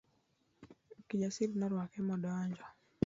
Kijasiri norwake modonjo.